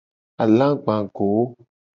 Alagba go.